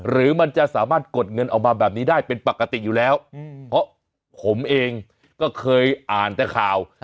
หรือมันจะสามารถกดเงินออกมาแบบนี้ได้เป็นปกติอยู่แล้วเพราะผมเองก็เคยอ่านแต่ข่าว